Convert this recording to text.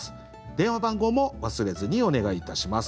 電話番号も忘れずにお願いいたします。